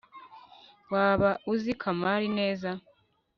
waba uzi kamari neza